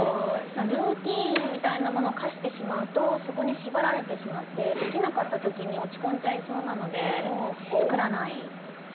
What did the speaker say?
ルーティンみたいなものを課してしまうとそこに縛られてしまってできなかった時に落ち込んじゃいそうなので作らない。